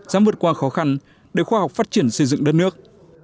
dám vượt qua khó khăn để khoa học phát triển xây dựng đất nước